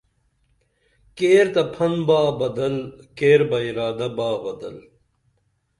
کیر تہ پھن با بدل کیر بہ ارادہ با بدل